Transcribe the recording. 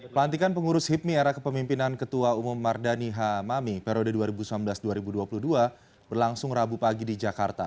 pelantikan pengurus hipmi era kepemimpinan ketua umum mardani hamami periode dua ribu sembilan belas dua ribu dua puluh dua berlangsung rabu pagi di jakarta